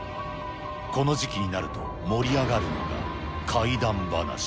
この時期になると、盛り上がるのが怪談話。